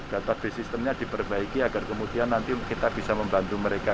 data base system nya diperbaiki agar kemudian nanti kita bisa membantu mereka